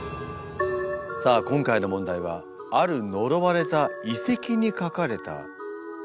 さあ今回の問題はある呪われた遺跡にかかれた謎の数式です。